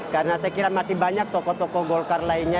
karena saya kira masih banyak tokoh tokoh golkar lainnya